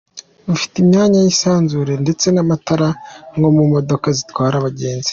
Bufite imyanya y’isanzuye ndetse n’amatara nko mu modoka zitwara abagenzi.